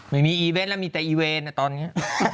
ไม่มีอีเวนต์แล้วมีแต่อีเวนต์ตอนนี้